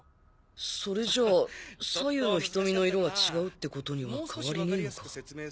それじゃ左右の瞳の色が違うってことには変わりねえのか